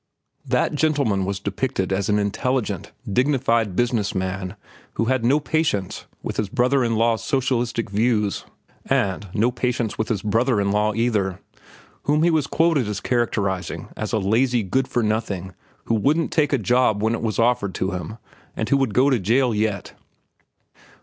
That gentleman was depicted as an intelligent, dignified businessman who had no patience with his brother in law's socialistic views, and no patience with the brother in law, either, whom he was quoted as characterizing as a lazy good for nothing who wouldn't take a job when it was offered to him and who would go to jail yet.